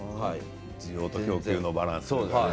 需要と供給のバランスね。